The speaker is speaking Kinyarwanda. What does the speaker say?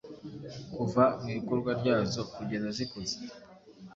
kuva mu ikorwa ryazo kugeza zikuze